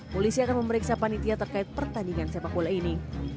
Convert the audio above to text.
polisi akan memeriksa panitia terkait pertandingan sepak bola ini